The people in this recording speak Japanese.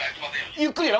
ゆっくりやろ。